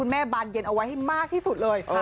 บานเย็นเอาไว้ให้มากที่สุดเลย